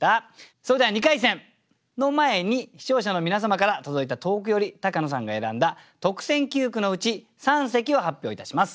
それでは２回戦の前に視聴者の皆様から届いた投句より高野さんが選んだ特選九句のうち三席を発表いたします。